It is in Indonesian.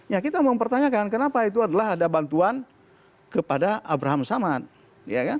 ya kita mempertanyakan kenapa itu adalah ada bantuan kepada abraham samad